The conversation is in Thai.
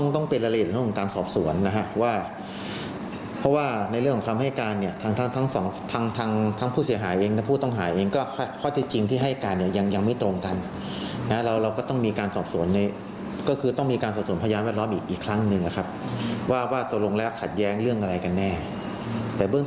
ต้องเป็นรายละเอียดเรื่องของการสอบสวนนะฮะว่าเพราะว่าในเรื่องของคำให้การเนี่ยทางทั้งสองทางทางผู้เสียหายเองและผู้ต้องหาเองก็ข้อที่จริงที่ให้การเนี่ยยังยังไม่ตรงกันนะเราเราก็ต้องมีการสอบสวนในก็คือต้องมีการสอบส่วนพยานแวดล้อมอีกครั้งหนึ่งนะครับว่าว่าตกลงแล้วขัดแย้งเรื่องอะไรกันแน่แต่เบื้อ